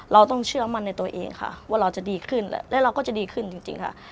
เราต้องเชื่อมั่นในตัวเองค่ะว่าเราจะดีขึ้นและเราก็จะดีขึ้นจริงค่ะ